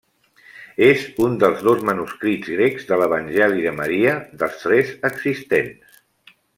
És un dels dos manuscrits grecs de l'Evangeli de Maria, dels tres existents.